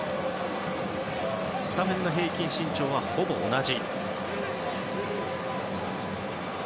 スタメンの平均身長はほぼ同じ。